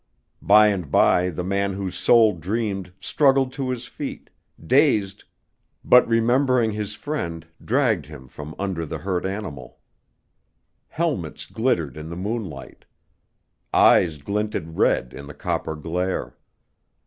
By and by the man whose soul dreamed, struggled to his feet, dazed, but remembering his friend dragged him from under the hurt animal. Helmets glittered in the moonlight. Eyes glinted red in the copper glare.